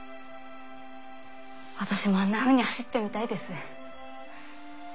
私もあんなふうに走ってみたいです。